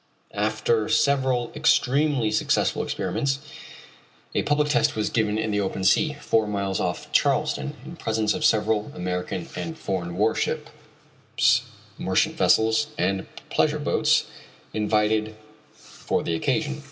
After several extremely successful experiments a public test was given in the open sea, four miles off Charleston, in presence of several American and foreign warships, merchant vessels, and pleasure boats invited for the occasion.